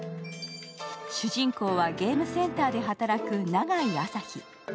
主人公はゲームセンターで働く長井朝陽。